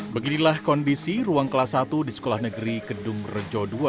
beginilah kondisi ruang kelas satu di sekolah negeri kedung rejo ii